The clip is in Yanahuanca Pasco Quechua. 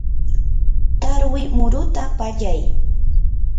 tarwi muruta pallay.